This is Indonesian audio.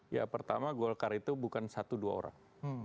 ya pertama golkar itu bukan satu dua orang